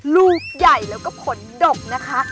ลูกใหญ่แล้วก็ผลดกนะคะ